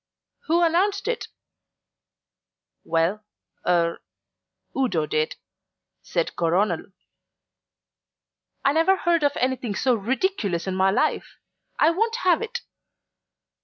"Who announced it?" "Well er Udo did," said Coronel. "I never heard of anything so ridiculous in my life! I won't have it!"